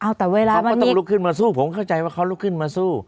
เขาต้องรุกขึ้นมาสู้ผมเข้าใจว่าเขาต้องมาสู้